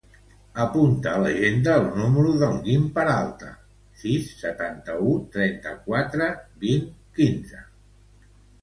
Apunta a l'agenda el número del Guim Peralta: sis, setanta-u, trenta-quatre, vint, quinze.